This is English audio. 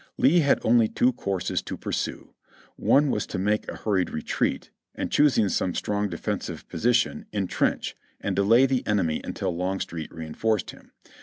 Lee had only two courses to pursue : one was to make a hurried retreat, and choosing some strong defensive position, en trench, and delay the enemy until Longstreet reinforced him.